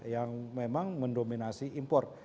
yang memang mendominasi impor